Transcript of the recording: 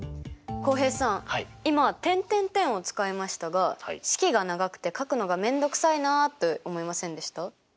浩平さん今「」を使いましたが式が長くて書くのが面倒くさいなって思いませんでした？